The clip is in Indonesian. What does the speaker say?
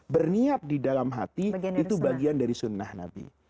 berniat di dalam hati itu bagian dari sunnah nabi